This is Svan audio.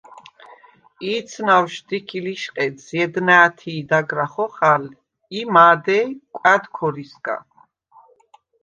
ი̄ცნავშ შდიქი ლიშყედს ჲედ ნა̄̈თი̄ დაგრა ხოხალ ი მა̄დეი̄ − კვა̈დ ქორისგა.